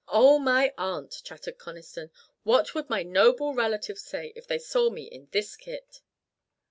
Oh, my aunt!" chattered Conniston. "What would my noble relatives say if they saw me in this kit?"